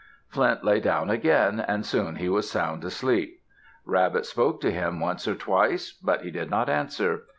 Flint lay down again and soon he was sound asleep. Rabbit spoke to him once or twice, but he did not answer.